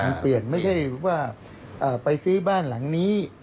มันเปลี่ยนไม่ใช่ว่าไปซื้อบ้านหลังนี้